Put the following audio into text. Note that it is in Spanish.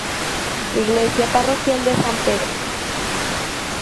Iglesia parroquial de San Pedro.